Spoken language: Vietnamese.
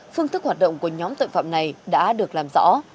phương thức hoạt động của nhóm tội phạm này đã được làm rõ